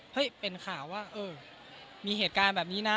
เฮ้ยเป็นข่าวว่ามีเหตุการณ์แบบนี้นะ